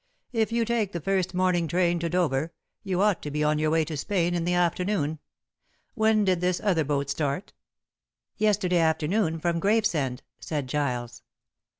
If you take the first morning train to Dover, you ought to be on your way to Spain in the afternoon. When did this other boat start?" "Yesterday afternoon from Gravesend," said Giles.